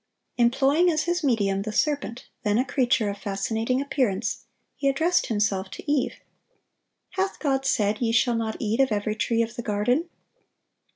Employing as his medium the serpent, then a creature of fascinating appearance, he addressed himself to Eve, "Hath God said, Ye shall not eat of every tree of the garden?"